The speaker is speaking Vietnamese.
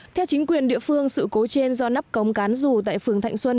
theo chính quyền địa phương sự cố trên do nắp cống cán rù tại phường thạnh xuân